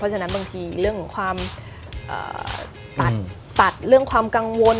ฉะนั้นบางทีเรื่องของความตัดเรื่องความกังวล